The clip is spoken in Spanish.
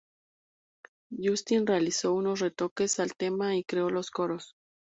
Justin realizó unos retoques al tema y creó los coros.